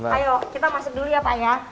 ayo kita masuk dulu ya pak ya